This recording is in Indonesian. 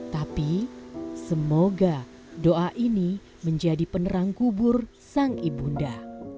tapi semoga doa ini menjadi penerang kubur sang ibunda